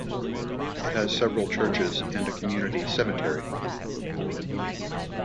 It has several churches, and a community cemetery.